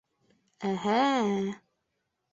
Э-һә-ә!